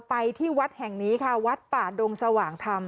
ไปที่วัดแห่งนี้ค่ะวัดป่าดงสว่างธรรม